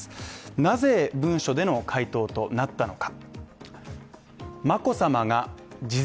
なぜ文書での回答となったのか。